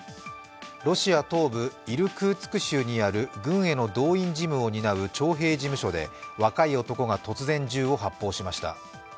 ロシア東部イルクーツク州にある軍への動員事務を担う徴兵事務所で若い男が突然、銃を発砲しました。